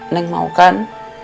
neng mau kan